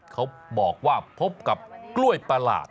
เขาบอกว่าพบกับกล้วยประหลาด